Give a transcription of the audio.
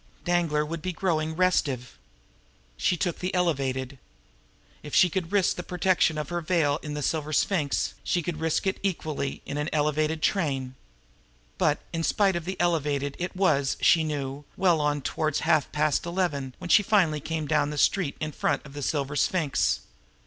Danglar would be growing restive! She took the elevated. If she could risk the protection of her veil in the Silver Sphinx, she could risk it equally in an elevated train! But, in spite of the elevated, it was, she knew, well on towards half past eleven when she finally came down the street in front of the Silver Sphinx.